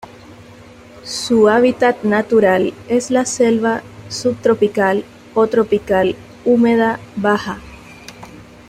Su hábitat natural es la selva subtropical o tropical húmeda baja.